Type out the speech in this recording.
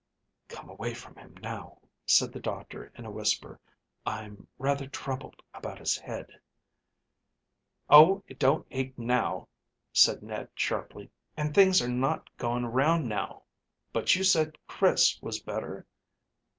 "Come away from him now," said the doctor in a whisper. "I'm rather troubled about his head." "Oh, it don't ache now," said Ned sharply, "and things are not going round now. But you said Chris was better?"